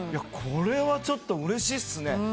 これはちょっとうれしいっすね。